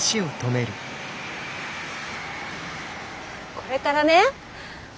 これからね